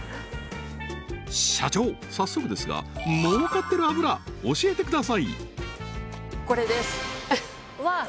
早速ですが儲かってる油教えてください！